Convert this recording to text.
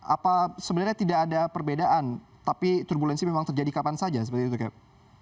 apa sebenarnya tidak ada perbedaan tapi turbulensi memang terjadi kapan saja seperti itu kak